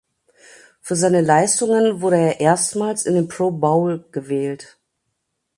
Für seine Leistungen wurde er erstmals in den Pro Bowl gewählt.